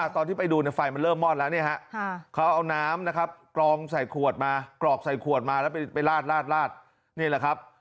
ตอนที่ไปดูไฟมันเริ่มมอดแล้วเนี่ยฮะเขาเอาน้ำนะครับกรองใส่ขวดมากรอกใส่ขวดมาแล้วไปลาดนี่แหละครับ